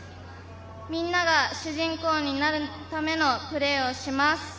みんなが主人公になるためのプレーをします。